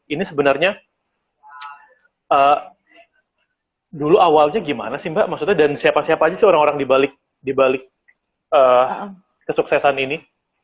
ini sebenarnya dulu awalnya gimana sih mbak maksudnya dan siapa siapa aja sih orang orang dibalik kesuksesan ini